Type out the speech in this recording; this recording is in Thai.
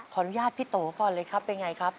ขออนุญาตพี่โต่ก่อนเลยครับเป็นอย่างไรครับ